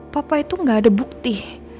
papa itu gak ada bukti